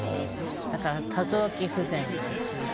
だから多臓器不全に陥りまして。